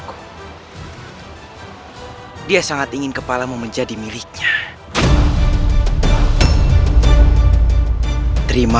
kau tidak perlu menghajar